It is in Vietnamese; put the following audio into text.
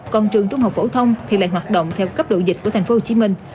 còn trường trung học phổ thông thì lại hoạt động theo cấp độ dịch của thành phố hồ chí minh